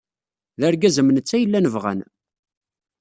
D argaz am netta ay llan bɣan.